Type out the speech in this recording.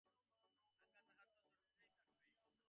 আজ্ঞা, তাঁহার তো চটিতেই থাকিবার কথা।